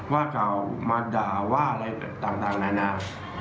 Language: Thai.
ว่ากล่าวมาด่าว่าอะไรต่างนานา